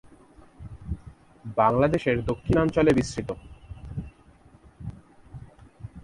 বাংলাদেশের দক্ষিণাঞ্চলে বিস্তৃত।